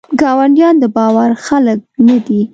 ګاونډیان دباور خلګ نه دي.